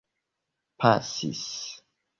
pasis